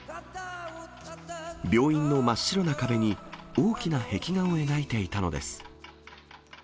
病院の真っ白な壁に大きな壁画を描いていたのです。